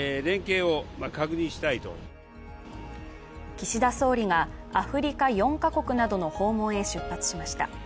岸田総理がアフリカ４か国などの訪問へ出発しました。